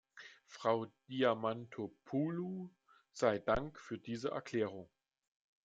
Frau Diamantopoulou sei Dank für diese Erklärung.